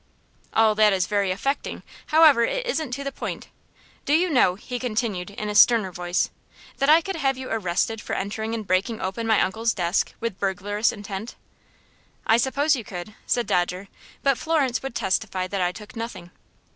"All that is very affecting; however, it isn't to the point. Do you know," he continued, in a sterner tone, "that I could have you arrested for entering and breaking open my uncle's desk with burglarious intent?" "I suppose you could," said Dodger; "but Florence would testify that I took nothing."